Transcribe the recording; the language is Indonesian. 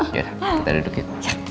yaudah kita duduk yuk